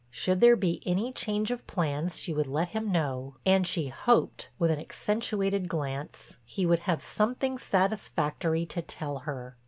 Should there be any change of plans she would let him know, and she hoped, with an accentuated glance, he would have something satisfactory to tell her.